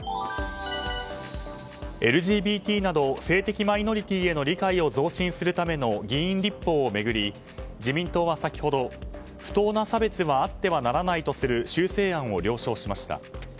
ＬＧＢＴなど性的マイノリティーへの理解を増進するための議員立法を巡り、自民党は先ほど不当な差別はあってはならないとする修正案を了承しました。